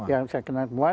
yang saya kenal semua